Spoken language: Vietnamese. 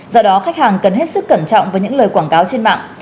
do đó khách hàng cần hết sức cẩn trọng với những lời quảng cáo trên mạng